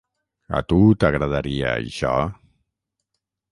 A tu t'agradaria això?